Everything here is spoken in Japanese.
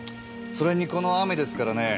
それにこの雨ですからね。